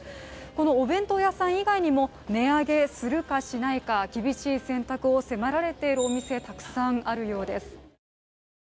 このお弁当屋さん以外にも、値上げするかしないか、厳しい選択を迫られているお店がたくさんあるようです。